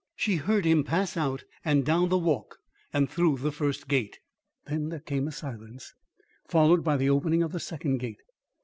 She heard him pass out and down the walk, and through the first gate. Then there came a silence, followed by the opening of the second gate.